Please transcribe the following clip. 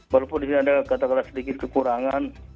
walaupun di sini ada katakanlah sedikit kekurangan